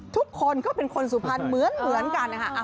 ทุกคนก็เป็นคนสุพรรณเหมือนกันนะคะ